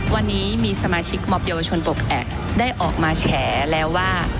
วันนี้มีสมาชิกมอบเยาวชนปกแอกได้ออกมาแฉแล้วว่า